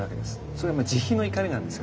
それは慈悲の怒りなんですよね。